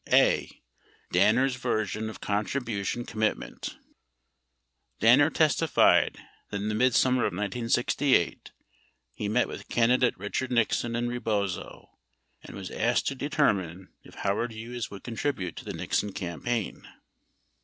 13 A. Danner's Version of Contribution Commitment Danner testified that in the midsummer of 1968, he met with candi date Richard Nixon and Rebozo, and was asked to determine if Howard Hughes would contribute to the Nixon campaign.